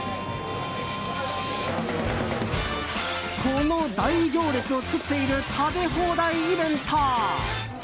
この大行列を作っている食べ放題イベント。